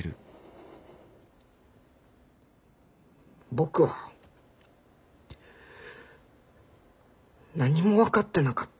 僕は何も分かってなかった。